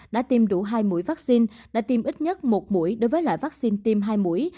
đã tiêm đủ hai mũi vaccine đã tiêm ít nhất một mũi đối với loại vaccine tiêm hai mũi